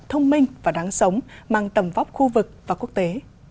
thông minh và đáng sống mang tầm vóc khu vực và quốc tế